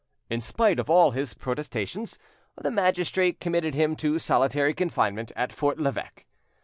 In spite of all his protestations, the magistrate committed him to solitary confinement at Fort l'Eveque.